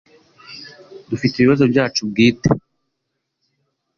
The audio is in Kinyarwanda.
Dufite ibibazo byacu bwite